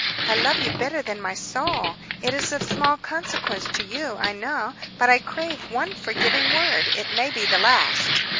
I love you better than my soul. It is of small consequence to you, I know, but I crave one forgiving word. It may be the last."